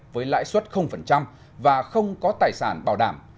với lãi suất và không có tài sản bảo đảm